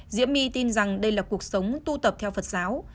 diễm my tin rằng đây là cuộc sống tu tập theo phật giáo